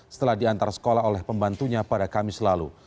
setelah diantar sekolah oleh pembantunya pada kamis lalu